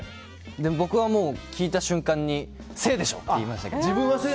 でも僕は聞いた瞬間にセイでしょって思いました。